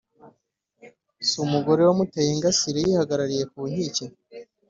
Si umugore wamuteye ingasire yihagarariye ku nkike